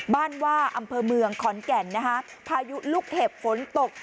บ้านว่าอำเภอเมืองขอนแก่นนะคะพายุลูกเห็บฝนตก